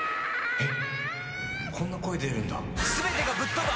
えっ？